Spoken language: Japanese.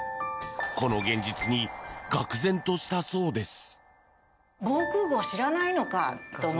この現実にがくぜんとしたそうです。